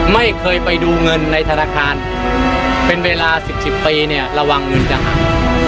ไม่เคยไปดูเงินในธนาคารเป็นเวลา๑๐๑๐ปีเนี่ยระวังเงินจะหัก